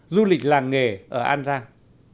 du lịch làng nghề ở an giang